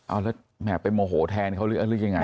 เอาแล้วแหมไปโมโหแทนเขาหรือยังไง